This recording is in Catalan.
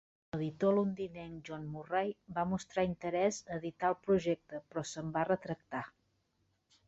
L'editor londinenc John Murray va mostrar interès a editar el projecte, però se'n va retractar.